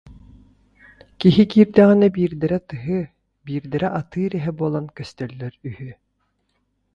Киһи киирдэҕинэ биирдэрэ тыһы, биирдэрэ атыыр эһэ буолан көстөллөр үһү